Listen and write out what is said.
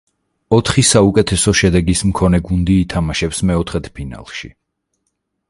ოთხი საუკეთესო შედეგის მქონე გუნდი ითამაშებს მეოთხედფინალში.